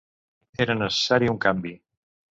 Era necessari un canvi.